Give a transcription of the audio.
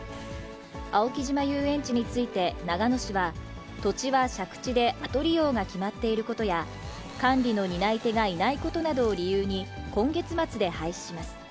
青木島遊園地について長野市は、土地は借地で後利用が決まっていることや、管理の担い手がいないことなどを理由に、今月末で廃止します。